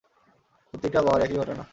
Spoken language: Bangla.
প্রতিটা বার একই ঘটনা!